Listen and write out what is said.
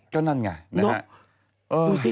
ก็นั่นไงนะฮะ